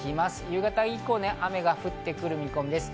夕方以降、雨が降ってくる見込みです。